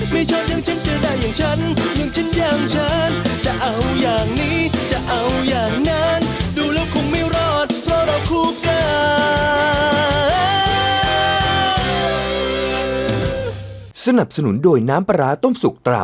ไม่ชอบอย่างฉันเจอได้อย่างฉันอย่างฉันอย่างฉัน